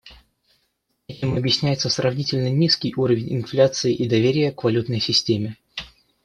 Этим объясняется сравнительно низкий уровень инфляции и доверие к валютной системе.